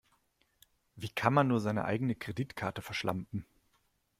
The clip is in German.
Wie kann man nur seine eigene Kreditkarte verschlampen?